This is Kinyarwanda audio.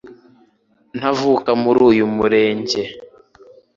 ntavuka muri uyu murenge